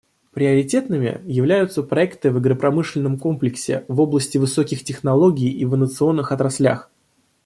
Приоритетными являются проекты в агропромышленном комплексе, в области высоких технологий и в инновационных отраслях.